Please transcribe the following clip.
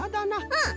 うん。